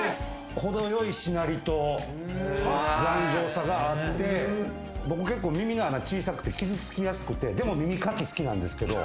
程よいしなりと頑丈さがあって僕結構耳の穴小さくて傷つきやすくてでも耳かき好きなんですけど。